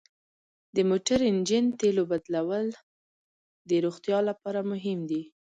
د موټر انجن تیلو بدلول د روغتیا لپاره مهم دي.